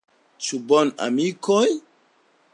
Ĉu bone, amikoj?